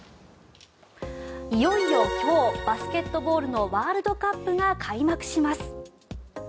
いよいよ今日バスケットボールのワールドカップが開幕します。